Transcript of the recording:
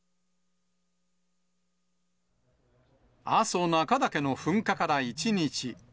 阿蘇中岳の噴火から１日。